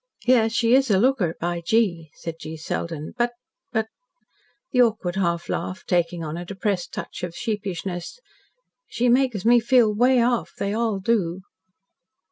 "Yes, she IS a looker, by gee," said G. Selden, "but but " the awkward half laugh, taking on a depressed touch of sheepishness, "she makes me feel 'way off they all do."